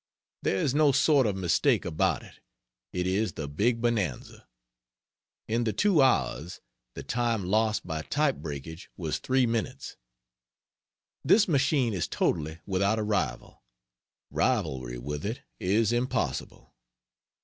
There is no sort of mistake about it, it is the Big Bonanza. In the 2 hours, the time lost by type breakage was 3 minutes. This machine is totally without a rival. Rivalry with it is impossible.